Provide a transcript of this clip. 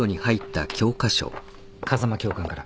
風間教官から。